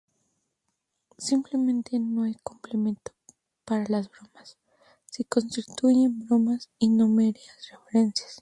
Simplemente no hay complemento para las bromas, si constituyen bromas y no meras referencias".